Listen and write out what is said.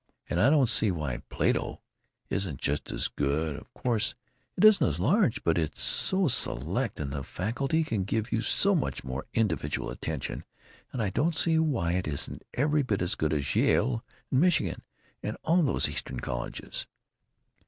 And I don't see why Plato isn't just as good—of course it isn't as large, but it's so select and the faculty can give you so much more individual attention, and I don't see why it isn't every bit as good as Yale and Michigan and all those Eastern colleges....